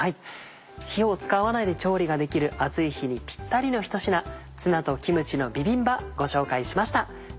火を使わないで調理ができる暑い日にぴったりの一品「ツナとキムチのビビンバ」ご紹介しました。